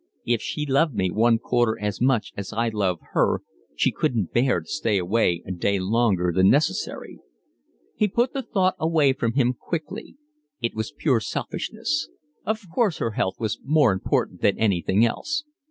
"If she loved me one quarter as much as I love her she couldn't bear to stay away a day longer than necessary." He put the thought away from him quickly; it was pure selfishness; of course her health was more important than anything else.